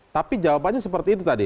tapi jawabannya seperti itu tadi